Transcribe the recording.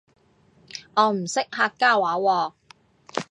我唔識客家話喎